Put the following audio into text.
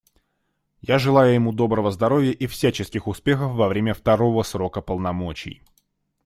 Я желаю ему доброго здоровья и всяческих успехов во время второго срока полномочий.